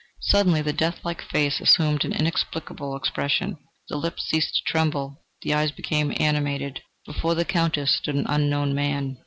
Suddenly the death like face assumed an inexplicable expression. The lips ceased to tremble, the eyes became animated: before the Countess stood an unknown man.